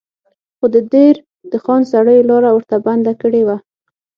خو د دیر د خان سړیو لاره ورته بنده کړې وه.